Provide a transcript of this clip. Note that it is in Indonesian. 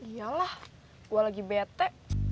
yalah gue lagi bete